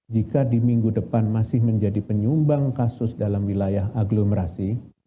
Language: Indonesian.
jika di minggu depan masih menjadi penyumbang kasus dalam wilayah aglomerasi